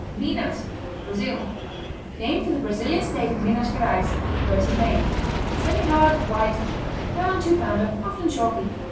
Minas Brazil Name for the Brazilian state of Minas Geraes, where it is made. Semihard; white; round two pounder; often chalky.